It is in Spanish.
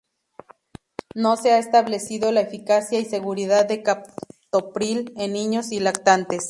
No se ha establecido la eficacia y seguridad de captopril en niños y lactantes.